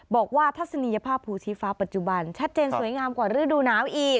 ทัศนียภาพภูชีฟ้าปัจจุบันชัดเจนสวยงามกว่าฤดูหนาวอีก